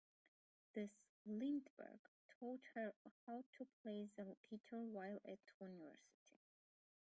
Des Lindberg taught her how to play the guitar while at university.